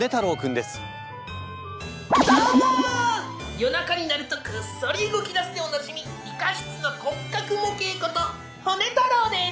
夜中になるとこっそり動きだすでおなじみ理科室の骨格模型ことホネ太郎です。